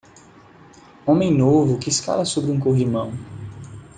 Homem novo que escala sobre um corrimão.